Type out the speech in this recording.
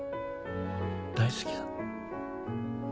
大好きだ。